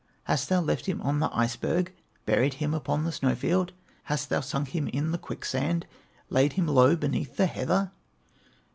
Hast thou left him on the iceberg, Buried him upon the snow field? Hast thou sunk him in the quicksand, Laid him low beneath the heather?"